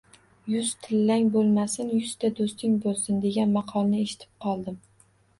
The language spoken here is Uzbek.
Yuz tillang bo‘lmasin, yuzta do‘sting bo‘lsin, degan maqolni eshitib qoldim